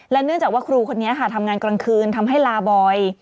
เนื่องจากว่าครูคนนี้ค่ะทำงานกลางคืนทำให้ลาบอย